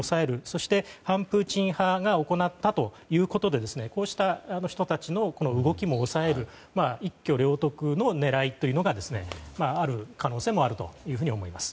そして反プーチン派が行ったということでこうした人たちの動きも抑える一挙両得の狙いというのがある可能性もあると思います。